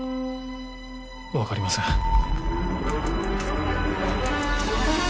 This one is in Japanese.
分かりません。